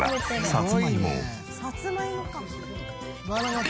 さつまいもか。